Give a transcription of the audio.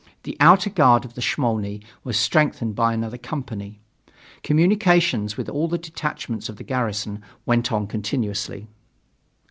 The outer guard of the Smolny was strengthened by another company. Communications with all the detachments of the garrison went on continuously.